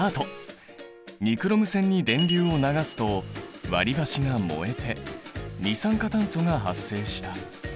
ニクロム線に電流を流すと割りばしが燃えて二酸化炭素が発生した。